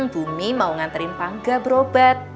bumi mau nganterin pangga berobat